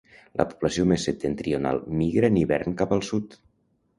La població més septentrional migra en hivern cap al sud.